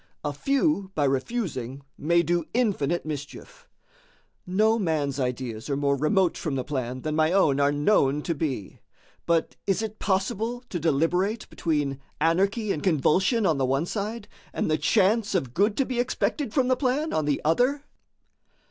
A few by refusing may do infinite mischief. No man's ideas are more remote from the plan than my own are known to be; but is it possible to deliberate between anarchy and convulsion on the one side, and the chance of good to be expected from the plan on the other?"